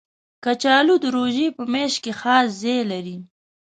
کچالو د روژې په میاشت کې خاص ځای لري